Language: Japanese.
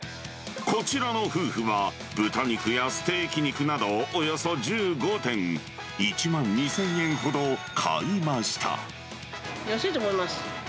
こちらの夫婦は、豚肉やステーキ肉などおよそ１５点、安いと思います。